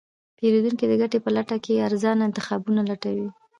پیرودونکی د ګټې په لټه کې ارزانه انتخابونه لټوي.